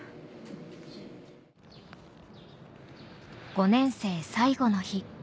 ５年生最後の日